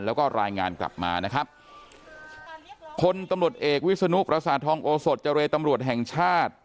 แล้วก็รายงานกลับมานะครับพลตำรวจเอกวิศนุประสาททองโอสดเจรตำรวจแห่งชาติ